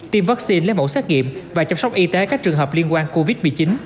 tiêm vaccine lấy mẫu xét nghiệm và chăm sóc y tế các trường hợp liên quan covid một mươi chín